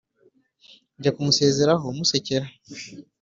njya kumusezeraho musekera,